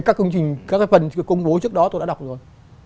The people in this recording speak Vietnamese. các công trình các cái phần công bố trước đó tôi đã đọc rồi